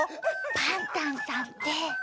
パンタンさんって。